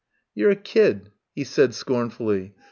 "You're a kid," he said scornfully.